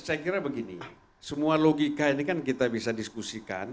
saya kira begini semua logika ini kan kita bisa diskusikan